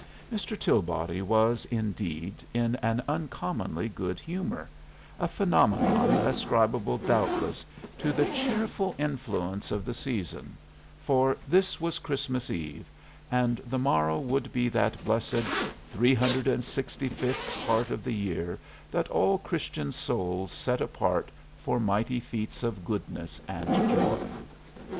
Mr. Tilbody was, indeed, in an uncommonly good humor, a phenomenon ascribable doubtless to the cheerful influence of the season; for this was Christmas Eve, and the morrow would be that blessed 365th part of the year that all Christian souls set apart for mighty feats of goodness and joy.